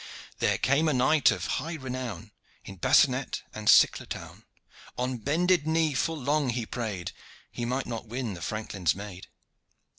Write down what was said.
There came a knight of high renown In bassinet and ciclatoun; On bended knee full long he prayed, He might not win the franklin's maid.